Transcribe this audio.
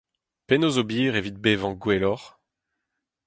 Penaos ober evit bevañ gwelloc'h ?